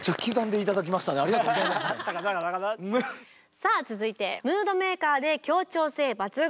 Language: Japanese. さあ続いてムードメーカーで協調性抜群。